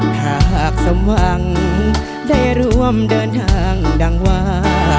หากสมหวังได้ร่วมเดินทางดังวา